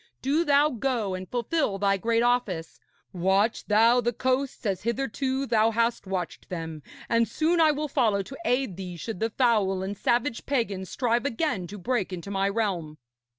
Do thou go and fulfil thy great office. Watch thou the coasts as hitherto thou hast watched them; and soon I will follow to aid thee, should the foul and savage pagans strive again to break into my realm.'